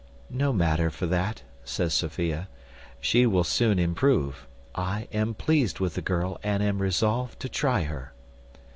"No matter for that," says Sophia; "she will soon improve. I am pleased with the girl, and am resolved to try her."